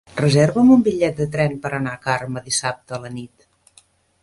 Reserva'm un bitllet de tren per anar a Carme dissabte a la nit.